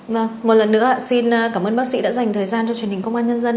vâng một lần nữa xin cảm ơn bác sĩ đã dành thời gian cho truyền hình công an nhân dân